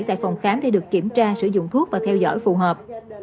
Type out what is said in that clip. tại phòng khám để được kiểm tra sử dụng thuốc và theo dõi phù hợp